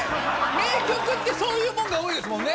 名曲ってそういうもんが多いですもんね。